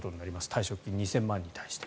退職金、２０００万に対して。